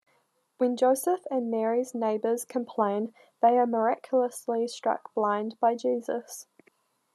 When Joseph and Mary's neighbors complain, they are miraculously struck blind by Jesus.